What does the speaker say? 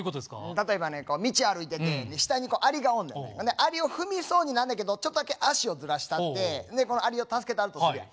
例えばね道歩いてて下にアリがおんねんアリを踏みそうになんねんけどちょっとだけ足をずらしたってでこのアリを助けたるとするやん。